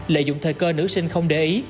lợi dụng thời cơ nữ sinh không để ý